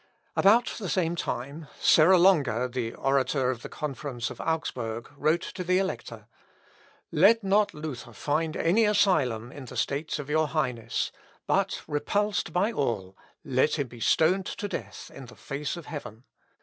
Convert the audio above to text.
" About the same time Serra Longa, the orator of the conference of Augsburg, wrote to the Elector, "Let not Luther find any asylum in the states of your highness, but, repulsed by all, let him be stoned to death in the face of heaven.